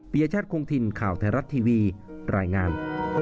ปียชาติคงทินข่าวไทยรัตน์ทีวีรายงาน